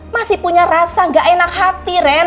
masih punya rasa gak enak hati ren